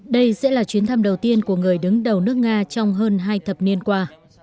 đây sẽ là chuyến thăm đầu tiên của người đứng đầu nước nga trong hơn hai thập niên qua